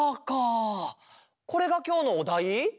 これがきょうのおだい？